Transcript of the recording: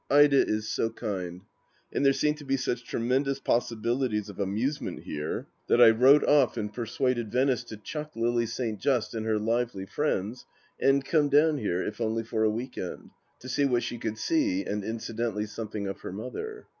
Ida is so kind. And there seemed to be such tremendous possibilities of amusement here that I wrote off and per suaded Venice to chuck Lily St. Just and her lively friends, and come down here if only for a week end, to see what she could see and incidentally something of her mother.